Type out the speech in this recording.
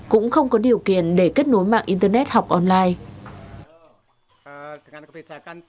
cũng không có điều kiện để kết nối mạng internet học online